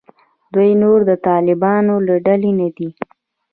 دوی نور د طالبانو له ډلې نه دي.